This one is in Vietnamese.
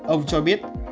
ông cho biết